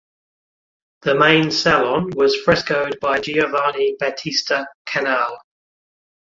The main salon was frescoed by Giovanni Battista Canal.